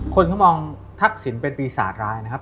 คนเขามองทักษิณเป็นปีศาจร้ายนะครับ